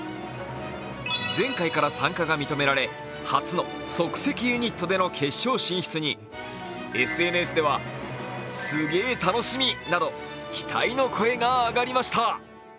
前回から参加が認められ初の即席ユニットでの決勝進出にＳＮＳでは、すげぇ楽しみなど期待の声が上がりました。